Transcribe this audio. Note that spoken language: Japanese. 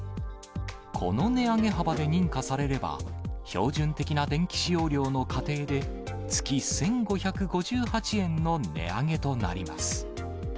この値上げ幅で認可されれば、標準的な電気使用量の家庭で、月１５５８円の値上げとなります。